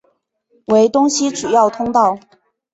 为东西主要通道。